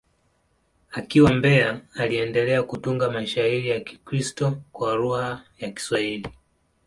Akiwa Mbeya, aliendelea kutunga mashairi ya Kikristo kwa lugha ya Kiswahili.